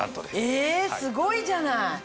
えすごいじゃない！